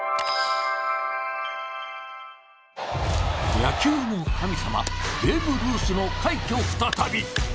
野球の神様、ベーブ・ルースの快挙再び！